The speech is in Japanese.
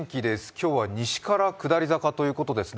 今日は西から下り坂ということですね。